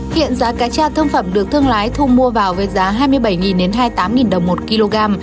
hiện giá cá cha thương phẩm được thương lái thu mua vào với giá hai mươi bảy hai mươi tám đồng một kg